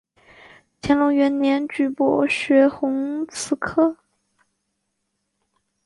乾隆元年举博学鸿词科。